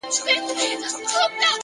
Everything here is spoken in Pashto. پوهه د ژوند کیفیت لوړوي!.